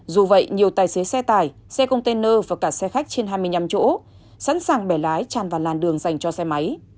dù vậy nhiều tài xế xe tải xe container và cả xe khách trên hai mươi năm chỗ sẵn sàng bẻ lái tràn vào làn đường dành cho xe máy